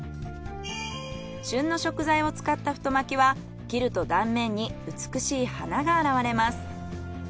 旬の食材を使った太巻きは切ると断面に美しい花が現れます。